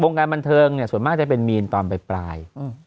การบันเทิงเนี่ยส่วนมากจะเป็นมีนตอนปลาย